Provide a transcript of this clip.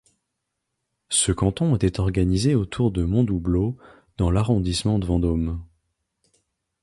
Ce canton était organisé autour de Mondoubleau dans l'arrondissement de Vendôme.